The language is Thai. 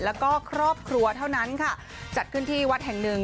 แล้วก็ครอบครัวเท่านั้นค่ะจัดขึ้นที่วัดแห่งหนึ่ง